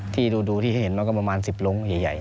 ที่ดูที่เห็นมันก็ประมาณ๑๐ลงใหญ่